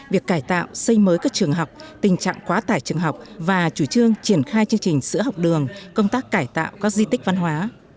việc cải tạo xây mới các trường học tình trạng quá tải trường học và chủ trương triển khai chương trình sữa học đường công tác cải tạo các di tích văn hóa